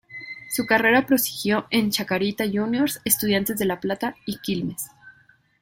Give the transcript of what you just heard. Su carrera prosiguió en Chacarita Juniors, Estudiantes de La Plata y Quilmes.